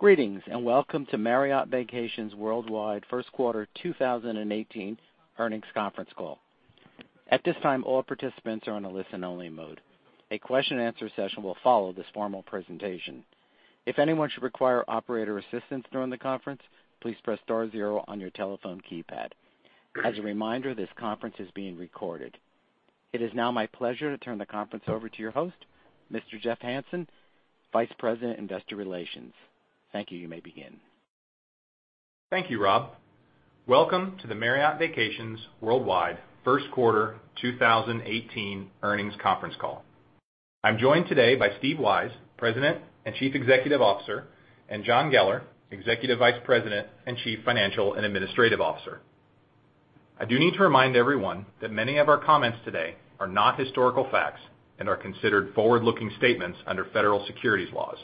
Greetings. Welcome to Marriott Vacations Worldwide first quarter 2018 earnings conference call. At this time, all participants are on a listen-only mode. A question and answer session will follow this formal presentation. If anyone should require operator assistance during the conference, please press star zero on your telephone keypad. As a reminder, this conference is being recorded. It is now my pleasure to turn the conference over to your host, Mr. Jeff Hansen, Vice President, Investor Relations. Thank you. You may begin. Thank you, Rob. Welcome to the Marriott Vacations Worldwide first quarter 2018 earnings conference call. I am joined today by Steve Weisz, President and Chief Executive Officer, and John Geller, Executive Vice President and Chief Financial and Administrative Officer. I do need to remind everyone that many of our comments today are not historical facts and are considered forward-looking statements under federal securities laws.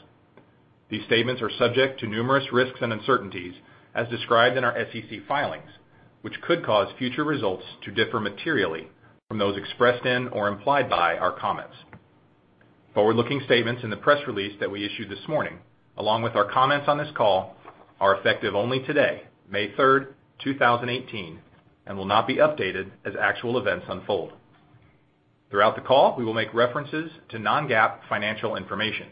These statements are subject to numerous risks and uncertainties, as described in our SEC filings, which could cause future results to differ materially from those expressed in or implied by our comments. Forward-looking statements in the press release that we issued this morning, along with our comments on this call, are effective only today, May 3rd, 2018, and will not be updated as actual events unfold. Throughout the call, we will make references to non-GAAP financial information.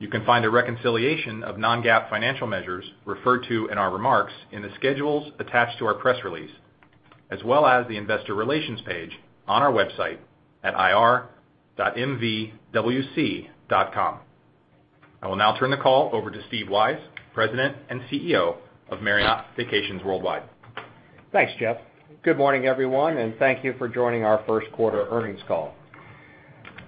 You can find a reconciliation of non-GAAP financial measures referred to in our remarks in the schedules attached to our press release, as well as the investor relations page on our website at ir.marriottvacationsworldwide.com. I will now turn the call over to Steve Weisz, President and CEO of Marriott Vacations Worldwide. Thanks, Jeff. Good morning, everyone. Thank you for joining our first quarter earnings call.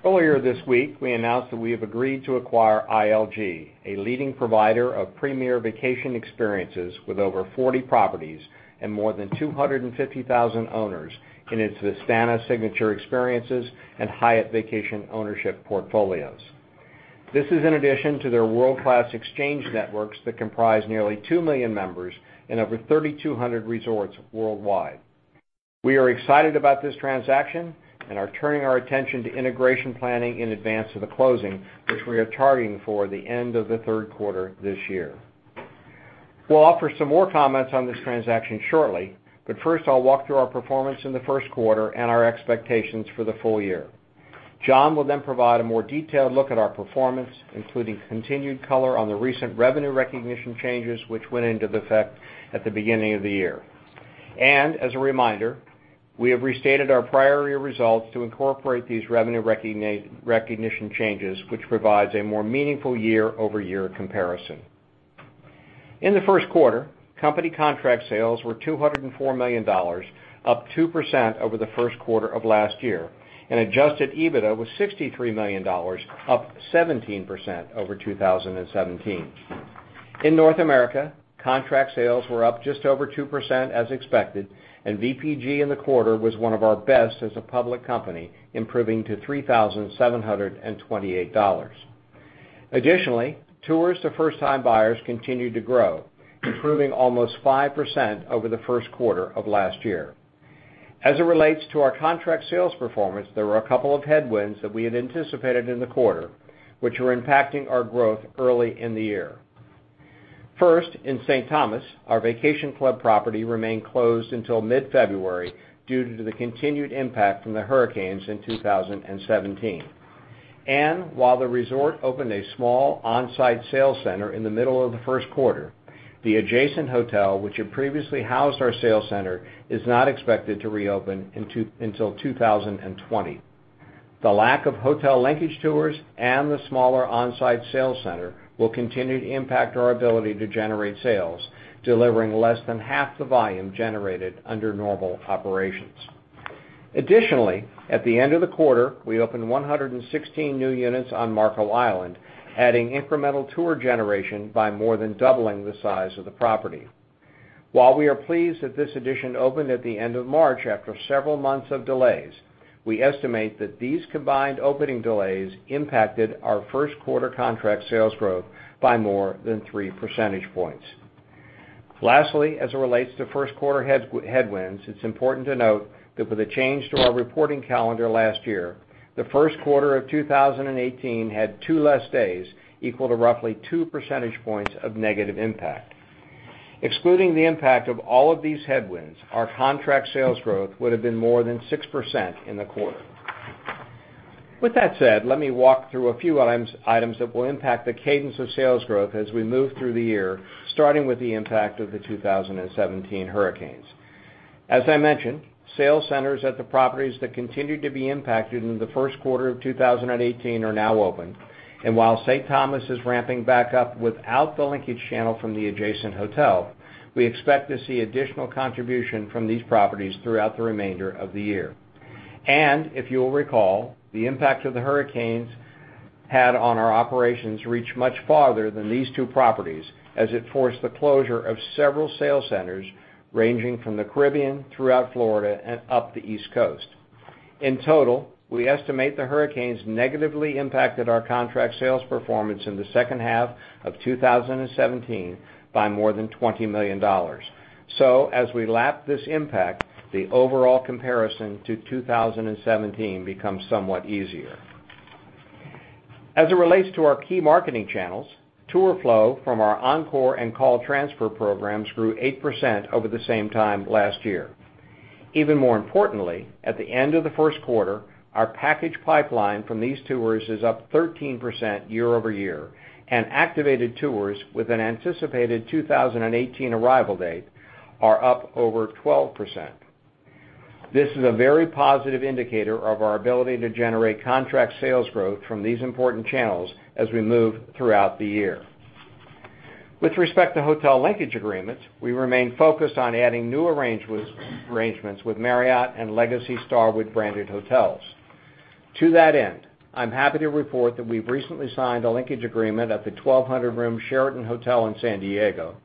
Earlier this week, we announced that we have agreed to acquire ILG, a leading provider of premier vacation experiences with over 40 properties and more than 250,000 owners in its Vistana Signature Experiences and Hyatt Vacation Ownership portfolios. This is in addition to their world-class exchange networks that comprise nearly two million members and over 3,200 resorts worldwide. We are excited about this transaction and are turning our attention to integration planning in advance of the closing, which we are targeting for the end of the third quarter this year. First, I will walk through our performance in the first quarter and our expectations for the full year. John will then provide a more detailed look at our performance, including continued color on the recent revenue recognition changes which went into effect at the beginning of the year. As a reminder, we have restated our prior year results to incorporate these revenue recognition changes, which provides a more meaningful year-over-year comparison. In the first quarter, company contract sales were $204 million, up 2% over the first quarter of last year, and adjusted EBITDA was $63 million, up 17% over 2017. In North America, contract sales were up just over 2% as expected, and VPG in the quarter was one of our best as a public company, improving to $3,728. Additionally, tours to first-time buyers continued to grow, improving almost 5% over the first quarter of last year. As it relates to our contract sales performance, there were a couple of headwinds that we had anticipated in the quarter, which were impacting our growth early in the year. First, in St. Thomas, our vacation club property remained closed until mid-February due to the continued impact from the hurricanes in 2017. While the resort opened a small on-site sales center in the middle of the first quarter, the adjacent hotel, which had previously housed our sales center, is not expected to reopen until 2020. The lack of hotel linkage tours and the smaller on-site sales center will continue to impact our ability to generate sales, delivering less than half the volume generated under normal operations. Additionally, at the end of the quarter, we opened 116 new units on Marco Island, adding incremental tour generation by more than doubling the size of the property. While we are pleased that this addition opened at the end of March after several months of delays, we estimate that these combined opening delays impacted our first quarter contract sales growth by more than three percentage points. Lastly, as it relates to first quarter headwinds, it's important to note that with a change to our reporting calendar last year, the first quarter of 2018 had two less days equal to roughly two percentage points of negative impact. Excluding the impact of all of these headwinds, our contract sales growth would have been more than 6% in the quarter. With that said, let me walk through a few items that will impact the cadence of sales growth as we move through the year, starting with the impact of the 2017 hurricanes. As I mentioned, sales centers at the properties that continued to be impacted in the first quarter of 2018 are now open. While St. Thomas is ramping back up without the linkage channel from the adjacent hotel, we expect to see additional contribution from these properties throughout the remainder of the year. If you will recall, the impact of the hurricanes had on our operations reached much farther than these two properties as it forced the closure of several sales centers ranging from the Caribbean throughout Florida and up the East Coast. In total, we estimate the hurricanes negatively impacted our contract sales performance in the second half of 2017 by more than $20 million. As we lap this impact, the overall comparison to 2017 becomes somewhat easier. As it relates to our key marketing channels, tour flow from our Encore and call transfer programs grew 8% over the same time last year. Even more importantly, at the end of the first quarter, our package pipeline from these tours is up 13% year-over-year, and activated tours with an anticipated 2018 arrival date are up over 12%. This is a very positive indicator of our ability to generate contract sales growth from these important channels as we move throughout the year. With respect to hotel linkage agreements, we remain focused on adding new arrangements with Marriott and Legacy Starwood branded hotels. To that end, I'm happy to report that we've recently signed a linkage agreement at the 1,200-room Sheraton hotel in San Diego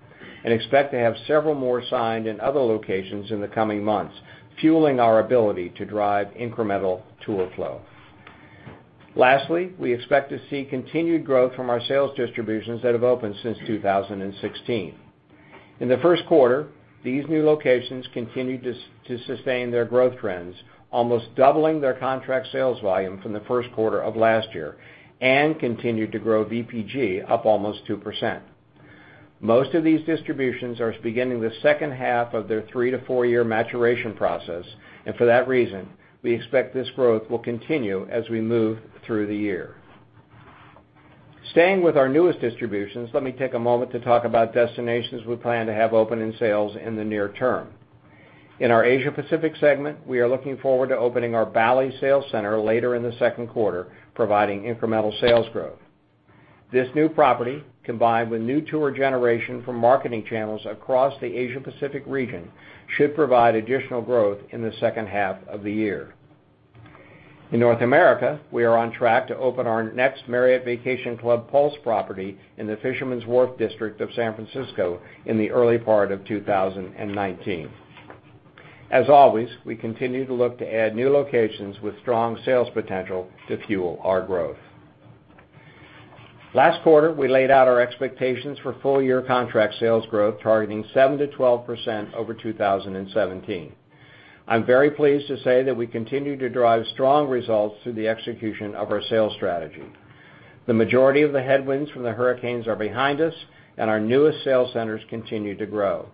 and expect to have several more signed in other locations in the coming months, fueling our ability to drive incremental tour flow. Lastly, we expect to see continued growth from our sales distributions that have opened since 2016. In the first quarter, these new locations continued to sustain their growth trends, almost doubling their contract sales volume from the first quarter of last year, and continued to grow VPG up almost 2%. Most of these distributions are beginning the second half of their three to four-year maturation process, and for that reason, we expect this growth will continue as we move through the year. Staying with our newest distributions, let me take a moment to talk about destinations we plan to have open in sales in the near term. In our Asia-Pacific segment, we are looking forward to opening our Bali sales center later in the second quarter, providing incremental sales growth. This new property, combined with new tour generation from marketing channels across the Asia-Pacific region, should provide additional growth in the second half of the year. In North America, we are on track to open our next Marriott Vacation Club Pulse property in the Fisherman's Wharf district of San Francisco in the early part of 2019. As always, we continue to look to add new locations with strong sales potential to fuel our growth. Last quarter, we laid out our expectations for full-year contract sales growth targeting 7%-12% over 2017. I'm very pleased to say that we continue to drive strong results through the execution of our sales strategy. The majority of the headwinds from the hurricanes are behind us, and our newest sales centers continue to grow.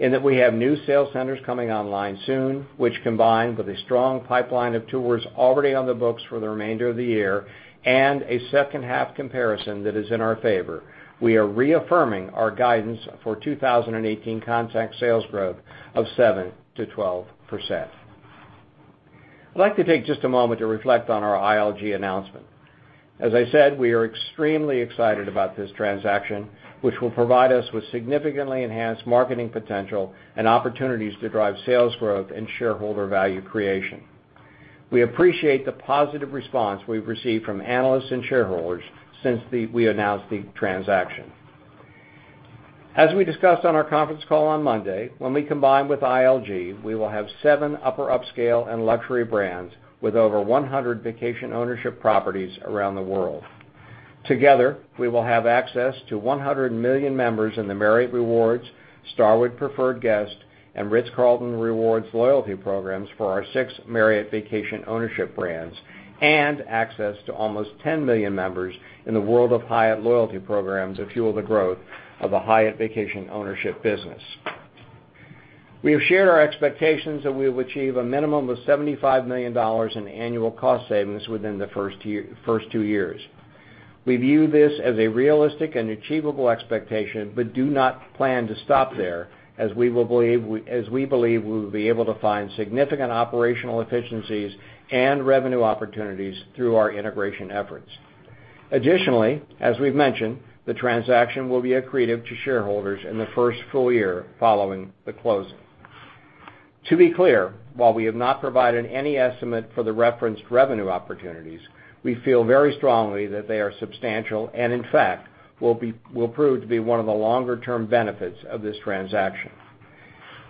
In that we have new sales centers coming online soon, which combined with a strong pipeline of tours already on the books for the remainder of the year and a second half comparison that is in our favor, we are reaffirming our guidance for 2018 contract sales growth of 7%-12%. I'd like to take just a moment to reflect on our ILG announcement. As I said, we are extremely excited about this transaction, which will provide us with significantly enhanced marketing potential and opportunities to drive sales growth and shareholder value creation. We appreciate the positive response we've received from analysts and shareholders since we announced the transaction. As we discussed on our conference call on Monday, when we combine with ILG, we will have seven upper upscale and luxury brands with over 100 vacation ownership properties around the world. We will have access to 100 million members in the Marriott Rewards, Starwood Preferred Guest, and Ritz-Carlton Rewards loyalty programs for our six Marriott Vacation Ownership brands and access to almost 10 million members in the World of Hyatt loyalty programs to fuel the growth of the Hyatt Vacation Ownership business. We have shared our expectations that we will achieve a minimum of $75 million in annual cost savings within the first two years. We view this as a realistic and achievable expectation but do not plan to stop there, as we believe we will be able to find significant operational efficiencies and revenue opportunities through our integration efforts. As we've mentioned, the transaction will be accretive to shareholders in the first full year following the closing. To be clear, while we have not provided any estimate for the referenced revenue opportunities, we feel very strongly that they are substantial and, in fact, will prove to be one of the longer-term benefits of this transaction.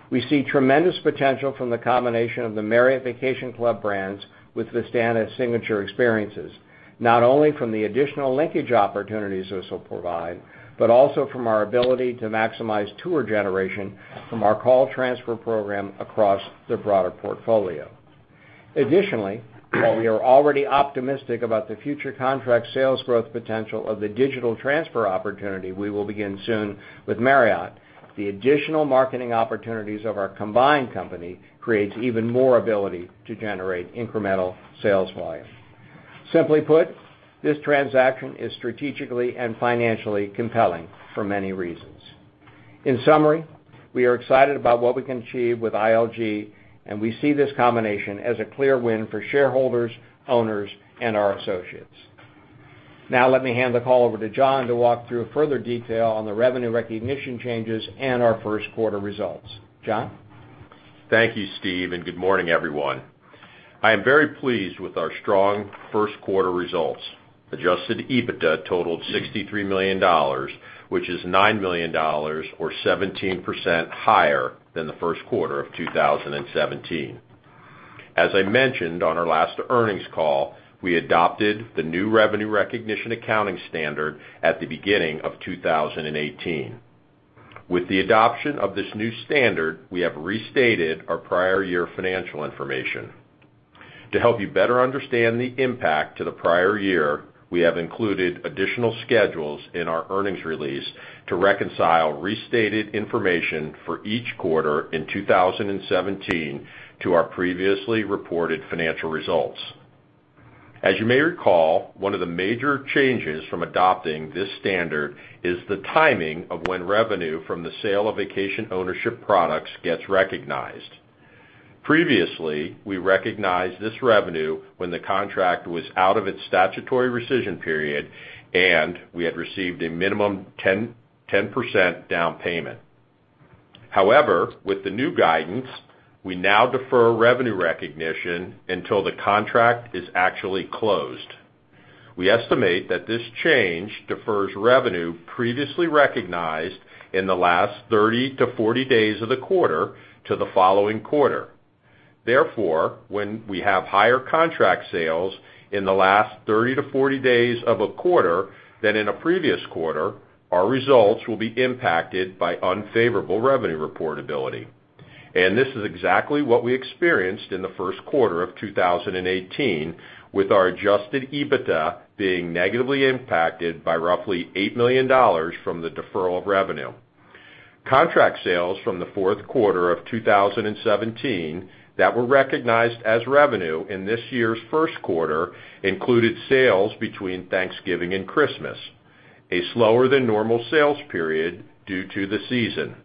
We see tremendous potential from the combination of the Marriott Vacation Club brands with Vistana Signature Experiences, not only from the additional linkage opportunities this will provide, but also from our ability to maximize tour generation from our call transfer program across the broader portfolio. While we are already optimistic about the future contract sales growth potential of the digital transfer opportunity we will begin soon with Marriott, the additional marketing opportunities of our combined company creates even more ability to generate incremental sales volume. Simply put, this transaction is strategically and financially compelling for many reasons. In summary, we are excited about what we can achieve with ILG, we see this combination as a clear win for shareholders, owners, and our associates. Now let me hand the call over to John to walk through further detail on the revenue recognition changes and our first quarter results. John? Thank you, Steve, good morning, everyone. I am very pleased with our strong first quarter results. Adjusted EBITDA totaled $63 million, which is $9 million or 17% higher than the first quarter of 2017. As I mentioned on our last earnings call, I adopted the new revenue recognition accounting standard at the beginning of 2018. With the adoption of this new standard, we have restated our prior year financial information. To help you better understand the impact to the prior year, we have included additional schedules in our earnings release to reconcile restated information for each quarter in 2017 to our previously reported financial results. As you may recall, one of the major changes from adopting this standard is the timing of when revenue from the sale of vacation ownership products gets recognized. Previously, we recognized this revenue when the contract was out of its statutory rescission period and we had received a minimum 10% down payment. With the new guidance, we now defer revenue recognition until the contract is actually closed. We estimate that this change defers revenue previously recognized in the last 30 to 40 days of the quarter to the following quarter. When we have higher contract sales in the last 30 to 40 days of a quarter than in a previous quarter, our results will be impacted by unfavorable revenue reportability. This is exactly what we experienced in the first quarter of 2018 with our adjusted EBITDA being negatively impacted by roughly $8 million from the deferral of revenue. Contract sales from the fourth quarter of 2017 that were recognized as revenue in this year's first quarter included sales between Thanksgiving and Christmas, a slower than normal sales period due to the season.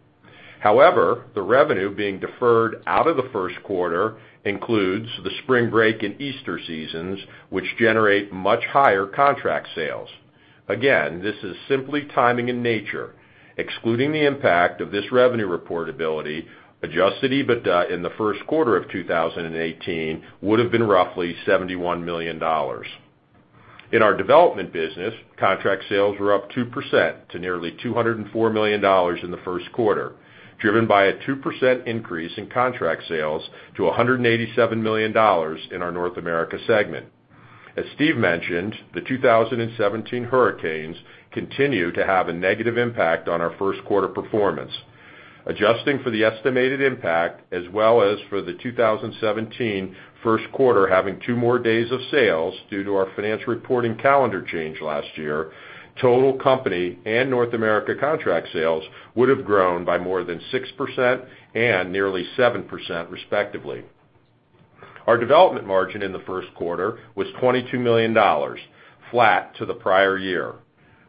The revenue being deferred out of the first quarter includes the spring break and Easter seasons, which generate much higher contract sales. This is simply timing in nature. Excluding the impact of this revenue reportability, adjusted EBITDA in the first quarter of 2018 would have been roughly $71 million. In our development business, contract sales were up 2% to nearly $204 million in the first quarter, driven by a 2% increase in contract sales to $187 million in our North America segment. As Steve mentioned, the 2017 hurricanes continue to have a negative impact on our first quarter performance. Adjusting for the estimated impact as well as for the 2017 first quarter having two more days of sales due to our financial reporting calendar change last year, total company and North America contract sales would have grown by more than 6% and nearly 7% respectively. Our development margin in the first quarter was $22 million, flat to the prior year.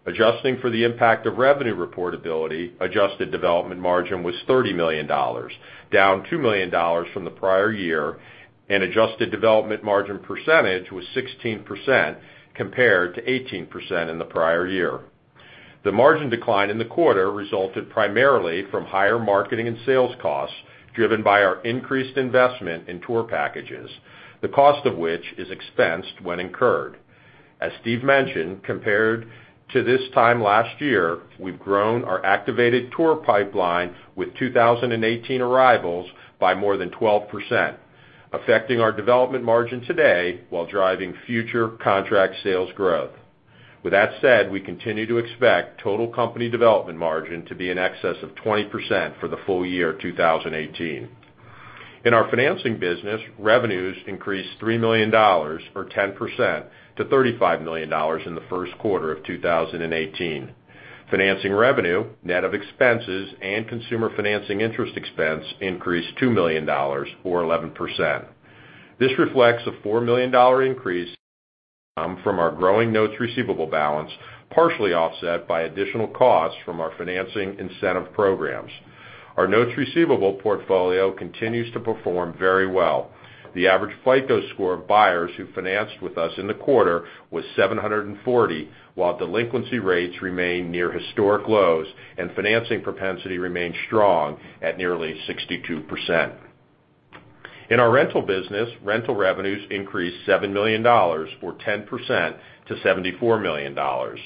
Adjusting for the impact of revenue reportability, adjusted development margin was $30 million, down $2 million from the prior year, and adjusted development margin percentage was 16% compared to 18% in the prior year. The margin decline in the quarter resulted primarily from higher marketing and sales costs driven by our increased investment in tour packages, the cost of which is expensed when incurred. As Steve mentioned, compared to this time last year, we've grown our activated tour pipeline with 2018 arrivals by more than 12%, affecting our development margin today while driving future contract sales growth. With that said, we continue to expect total company development margin to be in excess of 20% for the full year 2018. In our financing business, revenues increased $3 million or 10% to $35 million in the first quarter of 2018. Financing revenue, net of expenses and consumer financing interest expense increased $2 million or 11%. This reflects a $4 million increase from our growing notes receivable balance, partially offset by additional costs from our financing incentive programs. Our notes receivable portfolio continues to perform very well. The average FICO score of buyers who financed with us in the quarter was 740, while delinquency rates remain near historic lows and financing propensity remains strong at nearly 62%. In our rental business, rental revenues increased $7 million or 10% to $74 million.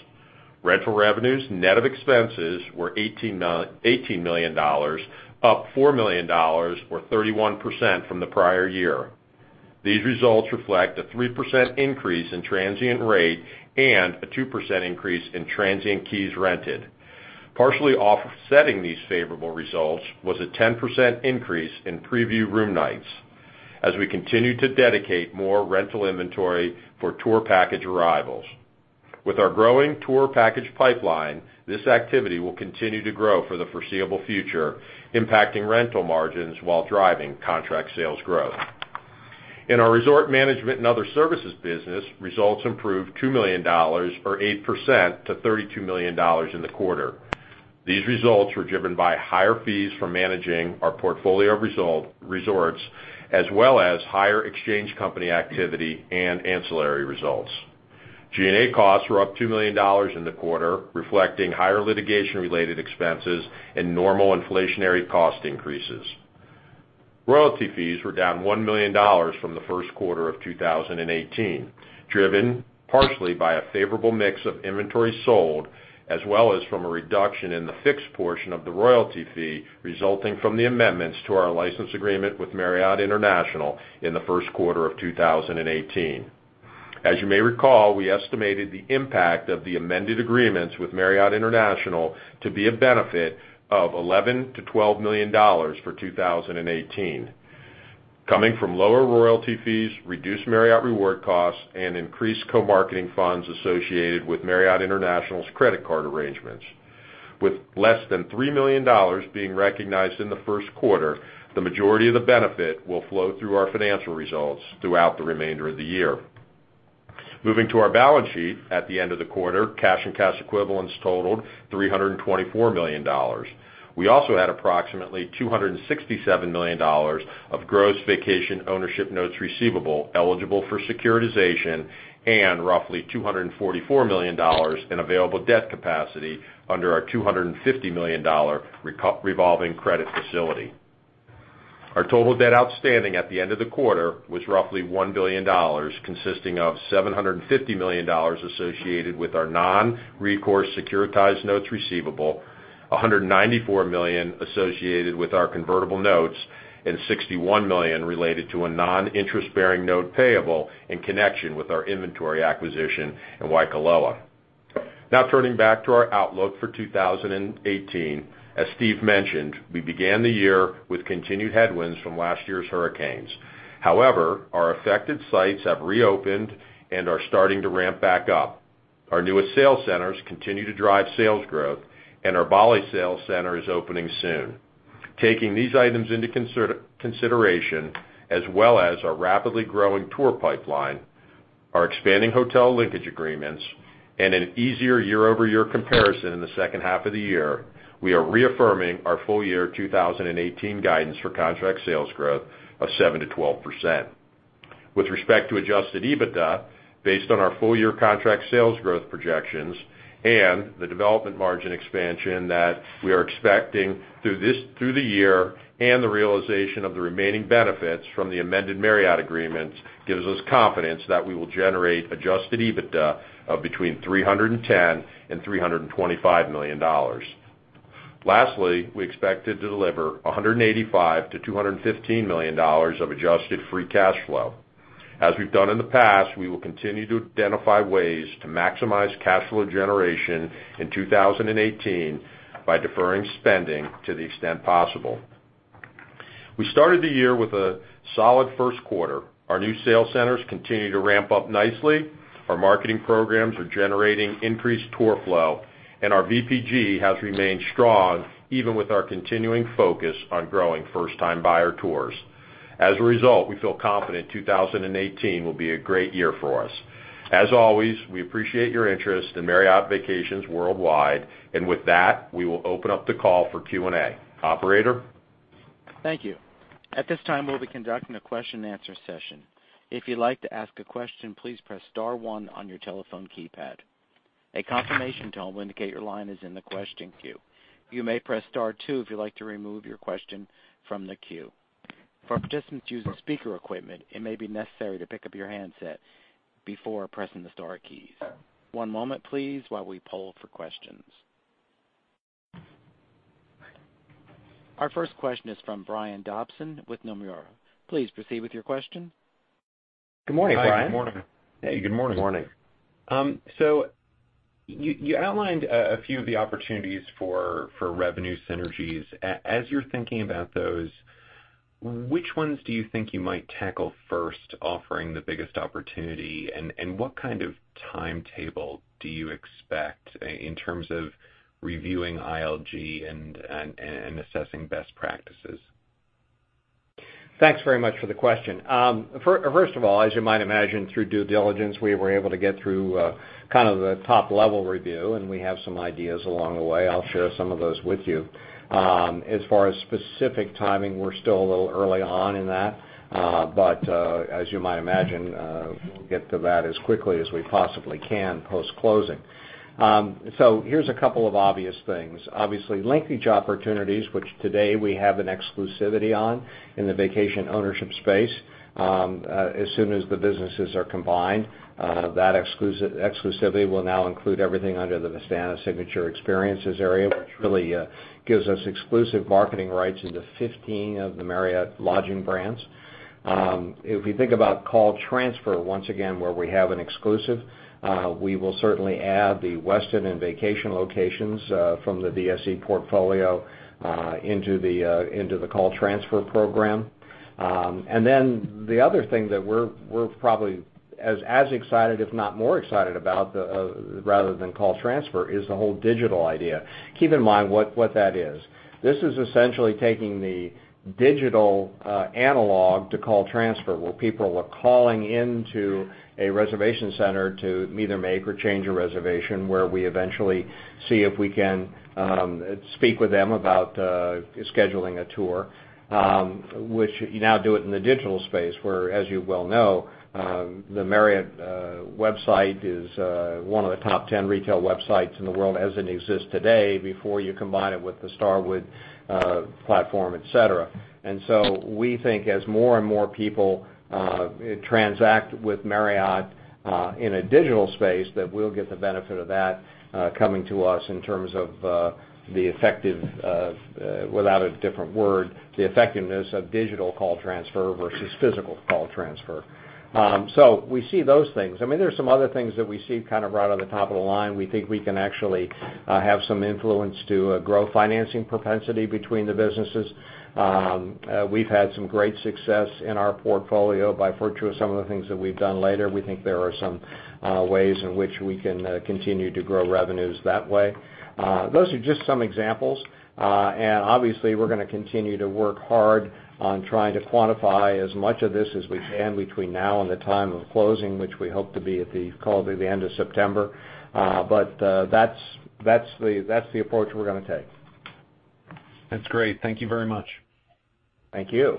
Rental revenues net of expenses were $18 million, up $4 million or 31% from the prior year. These results reflect a 3% increase in transient rate and a 2% increase in transient keys rented. Partially offsetting these favorable results was a 10% increase in preview room nights as we continue to dedicate more rental inventory for tour package arrivals. With our growing tour package pipeline, this activity will continue to grow for the foreseeable future, impacting rental margins while driving contract sales growth. In our resort management and other services business, results improved $2 million or 8% to $32 million in the quarter. These results were driven by higher fees for managing our portfolio of resorts as well as higher exchange company activity and ancillary results. G&A costs were up $2 million in the quarter, reflecting higher litigation-related expenses and normal inflationary cost increases. Royalty fees were down $1 million from the first quarter of 2018, driven partially by a favorable mix of inventory sold as well as from a reduction in the fixed portion of the royalty fee resulting from the amendments to our license agreement with Marriott International in the first quarter of 2018. As you may recall, we estimated the impact of the amended agreements with Marriott International to be a benefit of $11 million-$12 million for 2018, coming from lower royalty fees, reduced Marriott Rewards costs, and increased co-marketing funds associated with Marriott International's credit card arrangements. With less than $3 million being recognized in the first quarter, the majority of the benefit will flow through our financial results throughout the remainder of the year. Moving to our balance sheet at the end of the quarter, cash and cash equivalents totaled $324 million. We also had approximately $267 million of gross vacation ownership notes receivable eligible for securitization and roughly $244 million in available debt capacity under our $250 million revolving credit facility. Our total debt outstanding at the end of the quarter was roughly $1 billion, consisting of $750 million associated with our non-recourse securitized notes receivable, $194 million associated with our convertible notes, and $61 million related to a non-interest-bearing note payable in connection with our inventory acquisition in Waikoloa. Now turning back to our outlook for 2018. As Steve mentioned, we began the year with continued headwinds from last year's hurricanes. However, our affected sites have reopened and are starting to ramp back up. Our newest sales centers continue to drive sales growth, and our Bali sales center is opening soon. Taking these items into consideration, as well as our rapidly growing tour pipeline, our expanding hotel linkage agreements, and an easier year-over-year comparison in the second half of the year, we are reaffirming our full-year 2018 guidance for contract sales growth of 7%-12%. With respect to adjusted EBITDA, based on our full-year contract sales growth projections and the development margin expansion that we are expecting through the year and the realization of the remaining benefits from the amended Marriott agreements gives us confidence that we will generate adjusted EBITDA of between $310 million-$325 million. Lastly, we expect to deliver $185 million-$215 million of adjusted free cash flow. As we've done in the past, we will continue to identify ways to maximize cash flow generation in 2018 by deferring spending to the extent possible. We started the year with a solid first quarter. Our new sales centers continue to ramp up nicely. Our marketing programs are generating increased tour flow, and our VPG has remained strong even with our continuing focus on growing first-time buyer tours. As a result, we feel confident 2018 will be a great year for us. As always, we appreciate your interest in Marriott Vacations Worldwide. With that, we will open up the call for Q&A. Operator? Thank you. At this time, we'll be conducting a question and answer session. If you'd like to ask a question, please press star one on your telephone keypad. A confirmation tone will indicate your line is in the question queue. You may press star two if you'd like to remove your question from the queue. For participants using speaker equipment, it may be necessary to pick up your handset before pressing the star keys. One moment please while we poll for questions. Our first question is from Brian Dobson with Nomura. Please proceed with your question. Good morning, Brian. Hi, good morning. Hey, good morning. Good morning. You outlined a few of the opportunities for revenue synergies. As you're thinking about those, which ones do you think you might tackle first, offering the biggest opportunity? What kind of timetable do you expect in terms of reviewing ILG and assessing best practices? Thanks very much for the question. First of all, as you might imagine, through due diligence, we were able to get through kind of the top-level review, we have some ideas along the way. I'll share some of those with you. As far as specific timing, we're still a little early on in that but as you might imagine we'll get to that as quickly as we possibly can post-closing. Here's a couple of obvious things. Obviously, linkage opportunities, which today we have an exclusivity on in the vacation ownership space. As soon as the businesses are combined, that exclusivity will now include everything under the Vistana Signature Experiences area, which really gives us exclusive marketing rights into 15 of the Marriott lodging brands. If you think about call transfer, once again, where we have an exclusive, we will certainly add the Westin and vacation locations from the VSE portfolio into the call transfer program. The other thing that we're probably as excited, if not more excited about rather than call transfer is the whole digital idea. Keep in mind what that is. This is essentially taking the digital analog to call transfer, where people are calling into a reservation center to either make or change a reservation, where we eventually see if we can speak with them about scheduling a tour, which you now do it in the digital space where, as you well know, the Marriott website is one of the top 10 retail websites in the world as it exists today before you combine it with the Starwood platform, et cetera. We think as more and more people transact with Marriott in a digital space, that we'll get the benefit of that coming to us in terms of the effective, without a different word, the effectiveness of digital call transfer versus physical call transfer. We see those things. There are some other things that we see kind of right on the top of the line. We think we can actually have some influence to grow financing propensity between the businesses. We've had some great success in our portfolio by virtue of some of the things that we've done later. We think there are some ways in which we can continue to grow revenues that way. Those are just some examples. Obviously, we're going to continue to work hard on trying to quantify as much of this as we can between now and the time of closing, which we hope to be at the end of September. That's the approach we're going to take. That's great. Thank you very much. Thank you.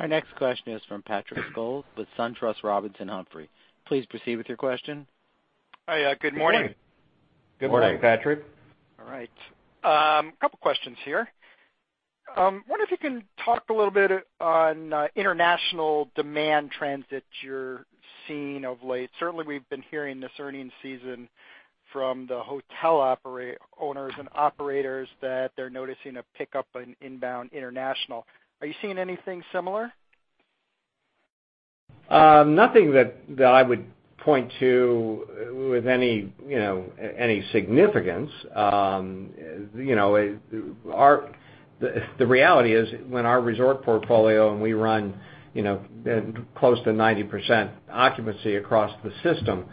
Our next question is from Patrick Scholes with SunTrust Robinson Humphrey. Please proceed with your question. Hi. Good morning. Good morning, Patrick. All right. Couple questions here. Wonder if you can talk a little bit on international demand trends that you're seeing of late. Certainly, we've been hearing this earnings season from the hotel owners and operators that they're noticing a pickup in inbound international. Are you seeing anything similar? Nothing that I would point to with any significance. The reality is when our resort portfolio, and we run close to 90% occupancy across the system,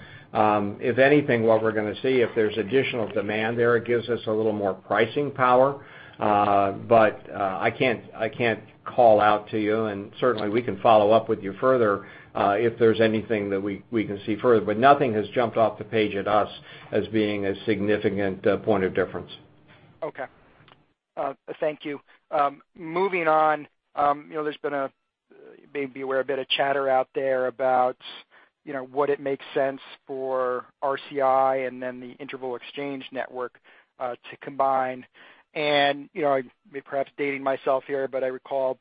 if anything, what we're going to see, if there's additional demand there, it gives us a little more pricing power. I can't call out to you, and certainly, we can follow up with you further if there's anything that we can see further. Nothing has jumped off the page at us as being a significant point of difference. Okay. Thank you. Moving on. There's been, you may be aware, a bit of chatter out there about what it makes sense for RCI and then the Interval Exchange network to combine. I'm perhaps dating myself here, but I recall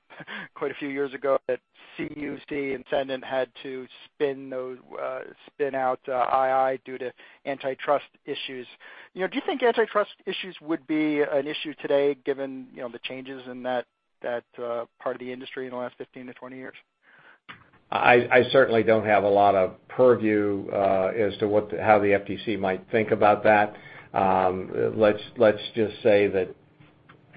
quite a few years ago that CUC and Cendant had to spin out II due to antitrust issues. Do you think antitrust issues would be an issue today given the changes in that part of the industry in the last 15-20 years? I certainly don't have a lot of purview as to how the FTC might think about that. Let's just say that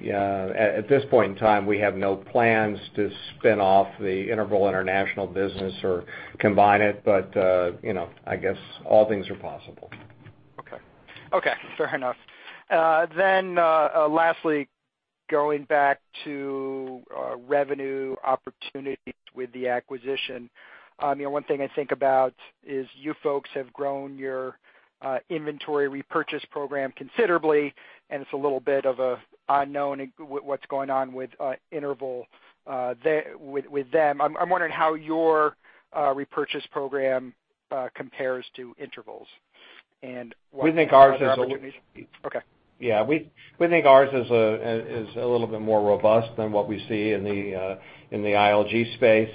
at this point in time, we have no plans to spin off the Interval International business or combine it. I guess all things are possible. Okay. Fair enough. Lastly, going back to revenue opportunities with the acquisition. One thing I think about is you folks have grown your inventory repurchase program considerably, and it's a little bit of an unknown what's going on with Interval with them. I'm wondering how your repurchase program compares to Interval. We think ours is. Okay. We think ours is a little bit more robust than what we see in the ILG space.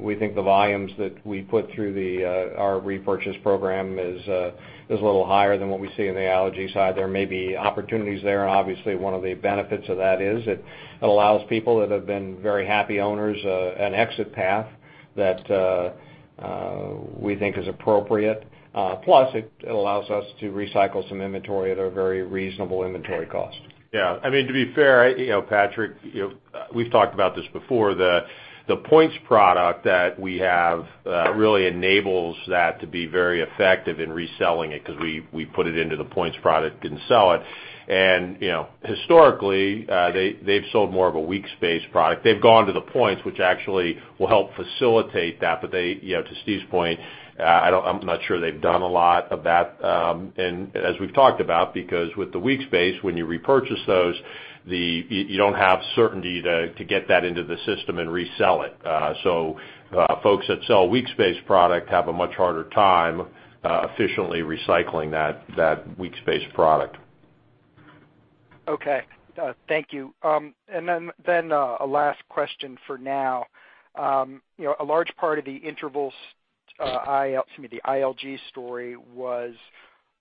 We think the volumes that we put through our repurchase program is a little higher than what we see in the ILG side. There may be opportunities there. Obviously, one of the benefits of that is it allows people that have been very happy owners an exit path that we think is appropriate. Plus, it allows us to recycle some inventory at a very reasonable inventory cost. To be fair, Patrick, we've talked about this before. The points product that we have really enables that to be very effective in reselling it because we put it into the points product and sell it. Historically, they've sold more of a week space product. They've gone to the points, which actually will help facilitate that. To Steve's point, I'm not sure they've done a lot of that. As we've talked about, because with the week space, when you repurchase those, you don't have certainty to get that into the system and resell it. Folks that sell week space product have a much harder time efficiently recycling that week space product. Okay. Thank you. Then a last question for now. A large part of the Interval, excuse me, the ILG story was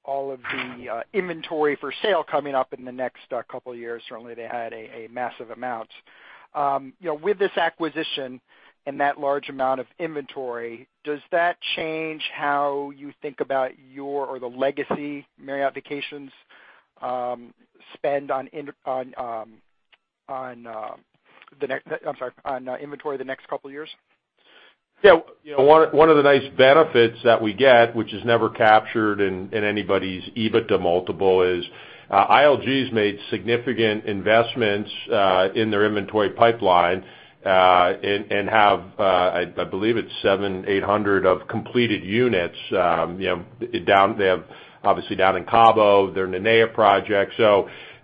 all of the inventory for sale coming up in the next couple of years. Certainly, they had a massive amount. With this acquisition and that large amount of inventory, does that change how you think about your or the legacy Marriott Vacations spend on inventory the next couple of years? Yeah. One of the nice benefits that we get, which is never captured in anybody's EBITDA multiple, is ILG's made significant investments in their inventory pipeline and have, I believe it's 700, 800 of completed units. They have, obviously down in Cabo, their Nanea project.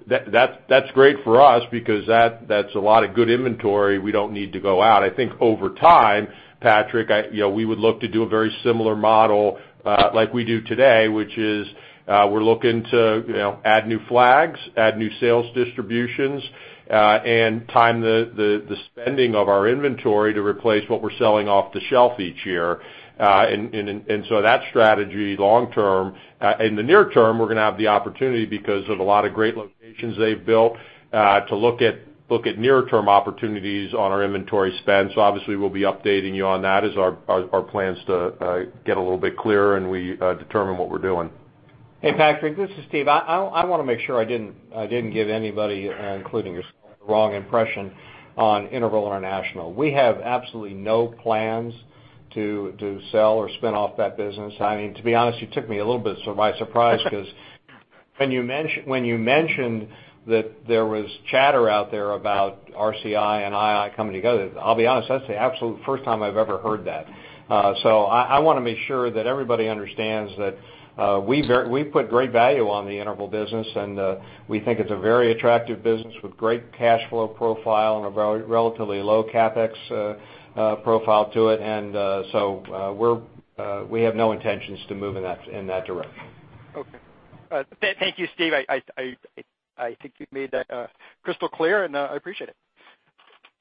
That's great for us because that's a lot of good inventory we don't need to go out. I think over time, Patrick, we would look to do a very similar model like we do today, which is we're looking to add new flags, add new sales distributions and time the spending of our inventory to replace what we're selling off the shelf each year. That strategy long-term. In the near term, we're going to have the opportunity because of a lot of great locations they've built to look at near-term opportunities on our inventory spend. Obviously, we'll be updating you on that as our plans get a little bit clearer and we determine what we're doing. Hey, Patrick, this is Steve. I want to make sure I didn't give anybody, including yourself, the wrong impression on Interval International. We have absolutely no plans to sell or spin off that business. To be honest, you took me a little bit by surprise because when you mentioned that there was chatter out there about RCI and II coming together, I'll be honest, that's the absolute first time I've ever heard that. I want to make sure that everybody understands that we put great value on the Interval business, and we think it's a very attractive business with great cash flow profile and a relatively low CapEx profile to it. We have no intentions to move in that direction. Okay. Thank you, Steve. I think you've made that crystal clear, and I appreciate it.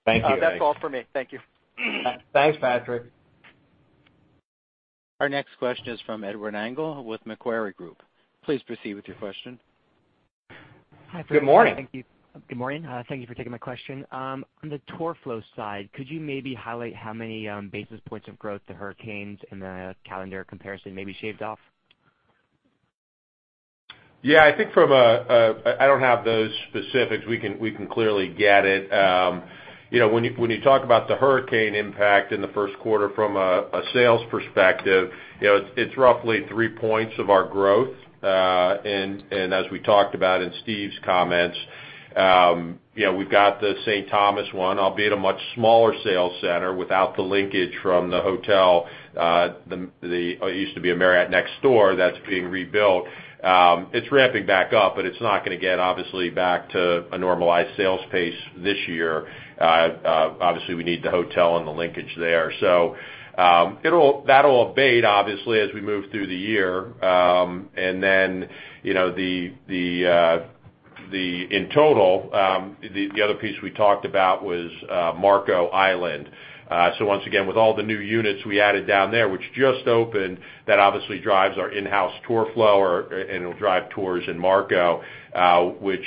Thank you. That's all for me. Thank you. Thanks, Patrick. Our next question is from Edward Engel with Macquarie Group. Please proceed with your question. Hi. Good morning. Good morning. Thank you for taking my question. On the tour flow side, could you maybe highlight how many basis points of growth the hurricanes and the calendar comparison maybe shaved off? Yeah, I don't have those specifics. We can clearly get it. When you talk about the hurricane impact in the first quarter from a sales perspective, it's roughly three points of our growth. As we talked about in Steve's comments, we've got the St. Thomas one, albeit a much smaller sales center without the linkage from the hotel. It used to be a Marriott next door that's being rebuilt. It's ramping back up, but it's not going to get, obviously, back to a normalized sales pace this year. Obviously, we need the hotel and the linkage there. That'll abate, obviously, as we move through the year. In total, the other piece we talked about was Marco Island. Once again, with all the new units we added down there, which just opened, that obviously drives our in-house tour flow and it'll drive tours in Marco, which,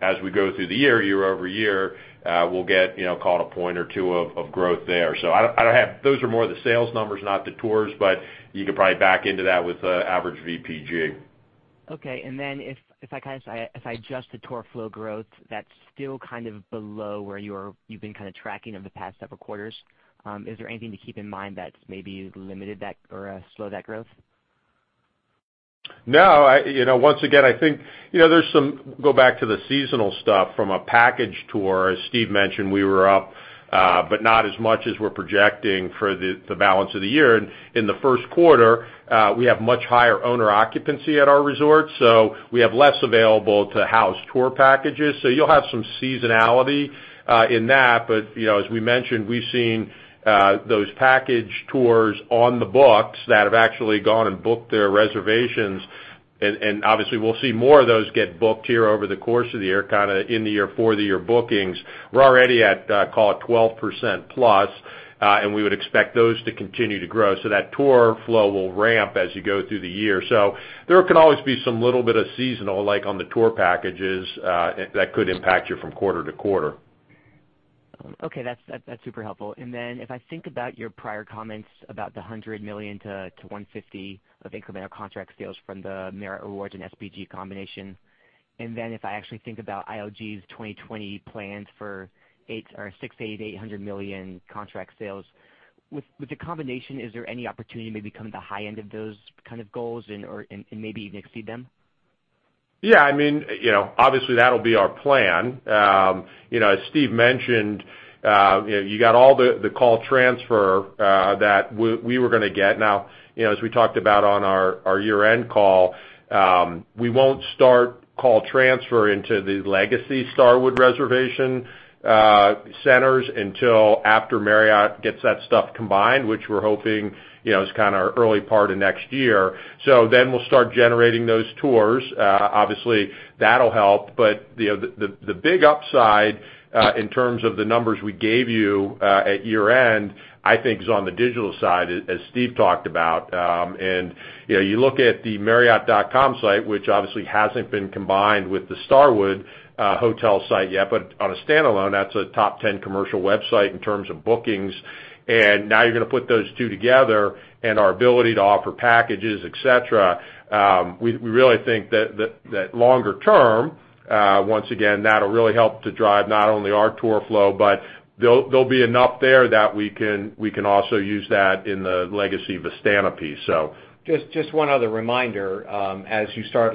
as we go through the year-over-year, we'll get call it a point or two of growth there. Those are more the sales numbers, not the tours, but you could probably back into that with the average VPG. Okay, if I adjust the tour flow growth, that's still below where you've been kind of tracking over the past several quarters. Is there anything to keep in mind that's maybe limited that or slowed that growth? No. Once again, go back to the seasonal stuff from a package tour. As Steve mentioned, we were up, but not as much as we're projecting for the balance of the year. In the first quarter, we have much higher owner occupancy at our resorts, so we have less available to house tour packages. You'll have some seasonality in that. As we mentioned, we've seen those package tours on the books that have actually gone and booked their reservations. Obviously, we'll see more of those get booked here over the course of the year, kind of in the year, for the year bookings. We're already at call it 12% plus. We would expect those to continue to grow. That tour flow will ramp as you go through the year. There can always be some little bit of seasonal, like on the tour packages, that could impact you from quarter-to-quarter. Okay, that's super helpful. If I think about your prior comments about the $100 million to $150 million of incremental contract sales from the Marriott Rewards and SPG combination, if I actually think about ILG's 2020 plans for $600 million to $800 million contract sales. With the combination, is there any opportunity maybe coming to the high end of those kind of goals and maybe even exceed them? Yeah. Obviously, that'll be our plan. As Steve mentioned, you got all the call transfer that we were going to get. Now, as we talked about on our year-end call, we won't start call transfer into the legacy Starwood reservation centers until after Marriott gets that stuff combined, which we're hoping is early part of next year. We'll start generating those tours. Obviously, that'll help. The big upside in terms of the numbers we gave you at year-end, I think is on the digital side, as Steve talked about. You look at the marriott.com site, which obviously hasn't been combined with the Starwood hotel site yet, but on a standalone, that's a top 10 commercial website in terms of bookings. Now you're going to put those two together and our ability to offer packages, et cetera. We really think that longer term, once again, that'll really help to drive not only our tour flow, but there'll be enough there that we can also use that in the legacy Vistana piece so. Just one other reminder. As you start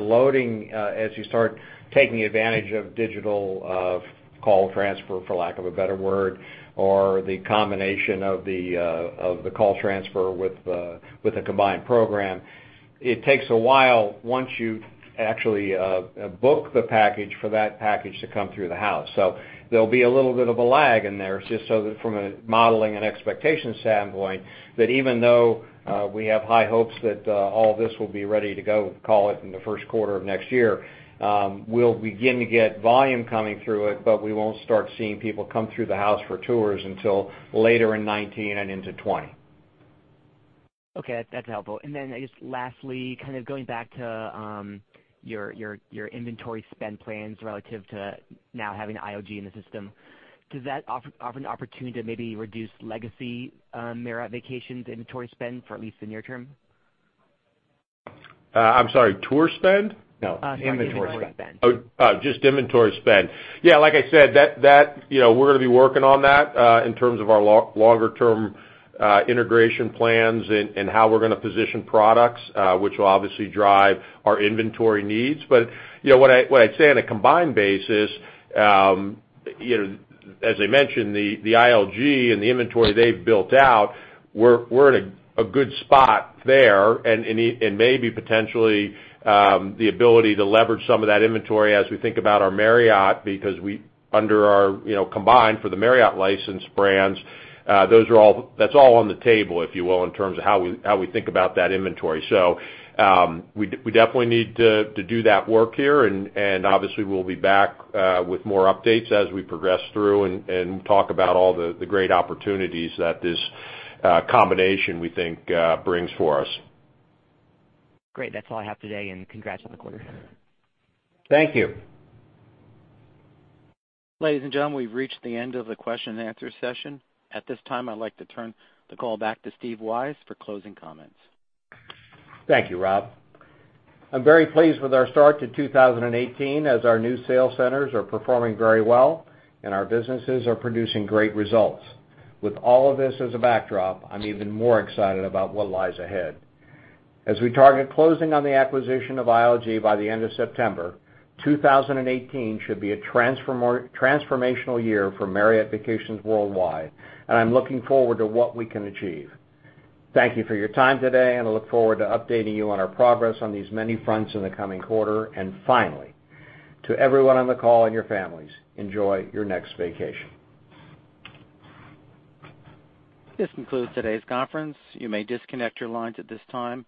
taking advantage of digital call transfer, for lack of a better word, or the combination of the call transfer with the combined program, it takes a while once you actually book the package for that package to come through the house. There'll be a little bit of a lag in there just so that from a modeling and expectation standpoint, that even though we have high hopes that all this will be ready to go, call it in the first quarter of next year, we'll begin to get volume coming through it, but we won't start seeing people come through the house for tours until later in 2019 and into 2020. Okay, that's helpful. Then just lastly, kind of going back to your inventory spend plans relative to now having ILG in the system, does that offer an opportunity to maybe reduce legacy Marriott Vacations inventory spend for at least the near term? I'm sorry, tour spend? No. Sorry, inventory spend. Oh, just inventory spend. Yeah, like I said, we're going to be working on that, in terms of our longer term integration plans and how we're going to position products, which will obviously drive our inventory needs. What I'd say on a combined basis, as I mentioned, the ILG and the inventory they've built out, we're in a good spot there and maybe potentially the ability to leverage some of that inventory as we think about our Marriott, because combined for the Marriott licensed brands, that's all on the table, if you will, in terms of how we think about that inventory. We definitely need to do that work here, and obviously, we'll be back with more updates as we progress through and talk about all the great opportunities that this combination we think brings for us. Great. That's all I have today, and congrats on the quarter. Thank you. Ladies and gentlemen, we've reached the end of the question and answer session. At this time, I'd like to turn the call back to Steve Weisz for closing comments. Thank you, Rob. I'm very pleased with our start to 2018 as our new sales centers are performing very well and our businesses are producing great results. With all of this as a backdrop, I'm even more excited about what lies ahead. As we target closing on the acquisition of ILG by the end of September, 2018 should be a transformational year for Marriott Vacations Worldwide, and I'm looking forward to what we can achieve. Thank you for your time today, and I look forward to updating you on our progress on these many fronts in the coming quarter. Finally, to everyone on the call and your families, enjoy your next vacation. This concludes today's conference. You may disconnect your lines at this time.